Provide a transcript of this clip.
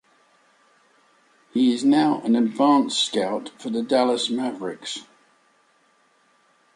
He is now an advance scout for the Dallas Mavericks.